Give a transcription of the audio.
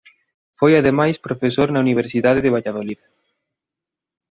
Foi ademais profesor na Universidade de Valladolid.